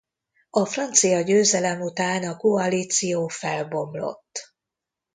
A francia győzelem után a koalíció felbomlott.